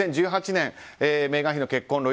２０１８年、メーガン妃の結婚